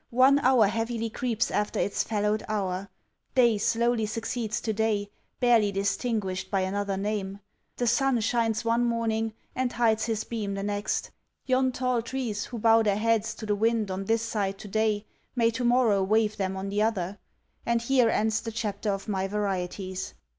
one hour heavily creeps after its fellowed hour; day slowly succeeds to day, barely distinguished by another name; the sun shines one morning, and hides his beam the next; yon tall trees who bow their heads to the wind on this side to day may to morrow wave them on the other: and here ends the chapter of my varieties.